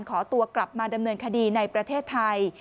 ขอตัวกลับมาดำเนินคดีในประเทศไทย